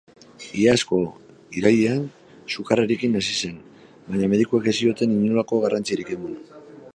Iazko irailean sukarrarekin hasi zen, baina medikuek ez zioten inolako garrantzirik eman.